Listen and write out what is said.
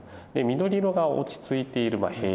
緑色が落ち着いている平常